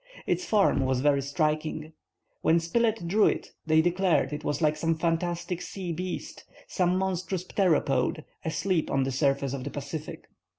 Its form was very striking. When Spilett drew it they declared it was like some fantastic sea beast, some monstrous pteropode, asleep on the surface of the Pacific.